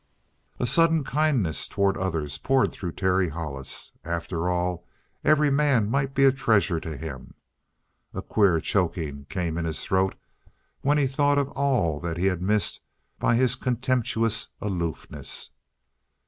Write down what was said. A sudden kindness toward others poured through Terry Hollis. After all, every man might be a treasure to him. A queer choking came in his throat when he thought of all that he had missed by his contemptuous aloofness.